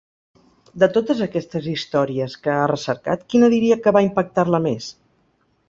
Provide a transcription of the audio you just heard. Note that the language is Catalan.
De totes aquestes històries que ha recercat, quina diria que va impactar-la més?